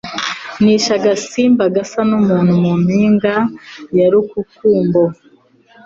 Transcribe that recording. nishe agasimba gasa n'umuntu mu mpinga ya Rukukumbo